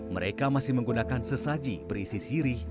mereka masih menggunakan sesaji berisi sirih